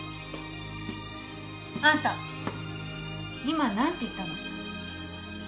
あんた今何て言ったの？